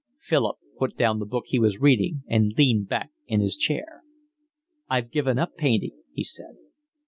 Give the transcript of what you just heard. Philip put down the book he was reading and leaned back in his chair. "I've given up painting," he said.